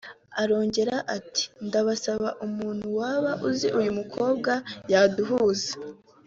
Arongera ati “Ndabasabye umuntu waba uzi uyu mukobwa yaduhuza